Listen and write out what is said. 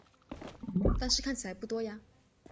但是看起来不多呀